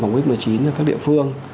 của covid một mươi chín cho các địa phương